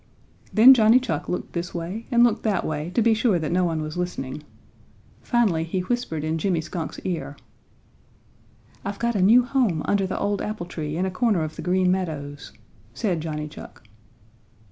Then Johnny Chuck looked this way and looked that way to be sure that no one was listening. Finally he whispered in Jimmy Skunk's ear: "I've got a new home under the old apple tree in a corner of the Green Meadows," said Johnny Chuck.